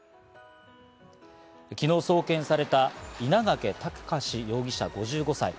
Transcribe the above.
昨日送検された稲掛躍容疑者、５５歳。